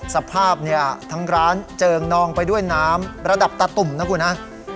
สภาพเนี่ยทั้งร้านเจิงนองไปด้วยน้ำระดับตาตุ่มนะคุณฮะ